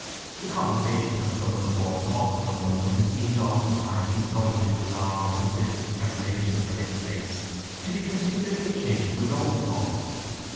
The conversation of some of the more thoughtful among them seemed oftentimes, owing to his long and persistent preparation for this place, to be peculiarly akin to his own thoughts.